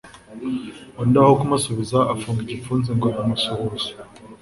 undi aho kumusubiza afunga igipfunsi ngo aramusuhuza.